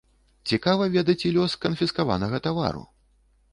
Цікава ведаць і лёс канфіскаванага тавару.